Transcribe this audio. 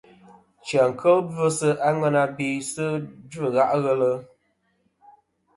Chia kel gvɨsi a ŋwena be sɨ dzvɨ gha' ghelɨ.